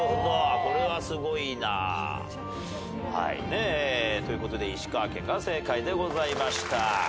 これはすごいな。ということで石川県が正解でございました。